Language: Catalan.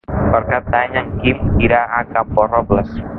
Per Cap d'Any en Quim irà a Camporrobles.